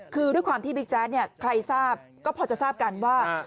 คือด้วยความที่บิ๊กแจ๊ดเนี่ยใครทราบก็พอจะทราบกันว่า